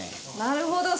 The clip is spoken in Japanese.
なるほど。